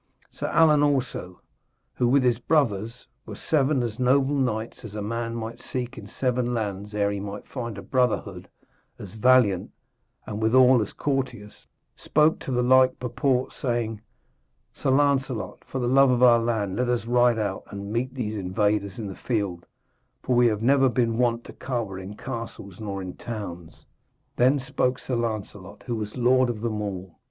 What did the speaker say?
Sir Alan also, who with his brothers were seven as noble knights as a man might seek in seven lands ere he might find a brotherhood as valiant and withal as courteous, spoke to the like purport, saying: 'Sir Lancelot, for the love of our land, let us ride out and meet these invaders in the field, for we have never been wont to cower in castles nor in towns.' Then spoke Sir Lancelot, who was lord of them all.